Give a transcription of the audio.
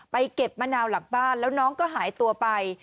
เก็บมะนาวหลังบ้านแล้วน้องก็หายตัวไป